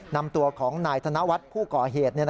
นำตัวของนายธนวัฒน์ผู้ก่อเหตุ